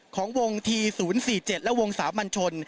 ของวงทีศูนย์๔๗และวงสาวมัญชน